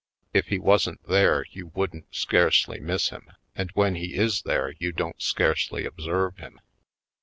If he wasn't there you wouldn't scarcely miss him; and when he is there you don't scarcely observe him.